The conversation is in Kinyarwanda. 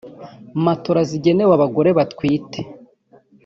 matola zigenewe abagore batwite